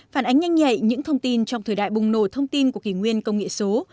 phản ánh nhanh nhạy những thông tin trong thời đại bùng nổ thông tin của kỷ nguyên công nghệ số